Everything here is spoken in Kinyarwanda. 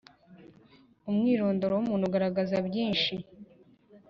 Umwirondoro w ‘umuntu agaragaza byinshi.